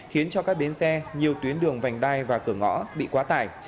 khiến cho các bến xe nhiều tuyến đường vành đai và cửa ngõ bị quá tải